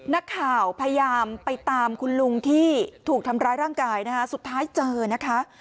นักข่าวพยายามไปตามคุณลุงที่ถูกทำร้ายร่างกายนะคะสุดท้ายเจอนะคะ